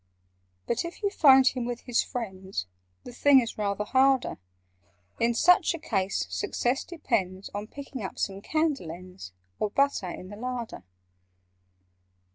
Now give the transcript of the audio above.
"But if you find him with his friends, The thing is rather harder. In such a case success depends On picking up some candle ends, Or butter, in the larder.